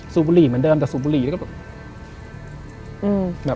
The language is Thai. ซูบุหรี่เหมือนเดิมแต่ซูบุหรี่ก็หนึ่ง